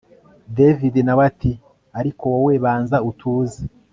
david nawe ati ariko wowe banza utuze